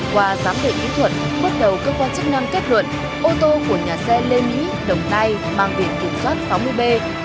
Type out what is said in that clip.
qua giám đệ kỹ thuật bước đầu cơ quan chức năng kết luận ô tô của nhà xe lê mỹ đồng nai mang vị kiểm soát sáu mươi b hai nghìn chín trăm sáu mươi tám